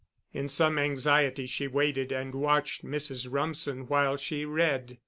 In some anxiety she waited and watched Mrs. Rumsen while she read.